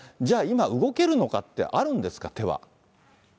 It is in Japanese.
じゃあ、今、動けるのかってあるんですか、手は。